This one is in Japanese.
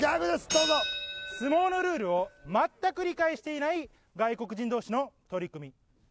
どうぞ相撲のルールを全く理解していない外国人同士の取組